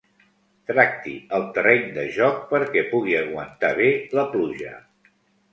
Tracti el terreny de joc perquè pugui aguantar bé la pluja.